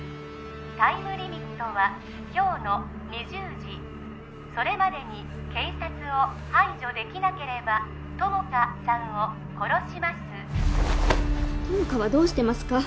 タイムリミットは今日の２０時それまでに警察を排除できなければ友果さんを殺します友果はどうしてますか？